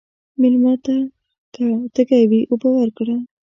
مېلمه ته که تږی وي، اوبه ورکړه.